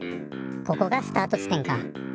ここがスタート地点か。